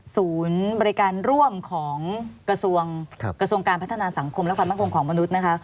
ศูนย์บริการร่วมของกระทรวงการพัฒนาสังคมและความมั่นคงของมนุษย์นะคะ